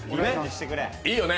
いいよね。